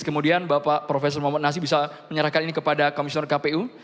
kemudian bapak profesor muhammad nasib bisa menyerahkan ini kepada komisioner kpu